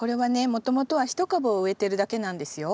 もともとは１株を植えてるだけなんですよ。